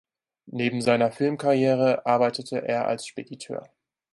Neben seiner Filmkarriere arbeitete er als Spediteur.